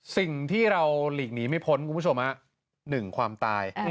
สิ่งที่เราหลีกหนีไม่พ้นคุณผู้ชม๑ความตาย